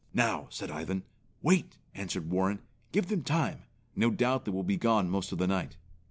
"Now!" said Ivan. "Wait!" answered Warren. "Give them time. No doubt they will be gone most of the night."